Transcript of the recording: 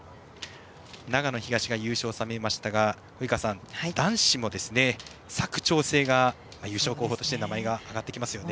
長野東が優勝を収めましたが男子も、佐久長聖が優勝候補として名前が挙がっていますね。